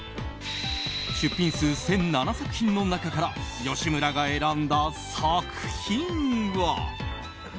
出品数１００７作品の中から吉村が選んだ作品は。